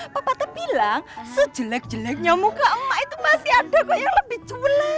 papatah bilang sejelek jeleknya muka emak itu masih ada yang lebih jelek lagi